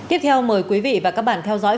tiếp theo mời quý vị và các bạn theo dõi